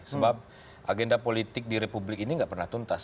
sebab agenda politik di republik ini gak pernah tuntas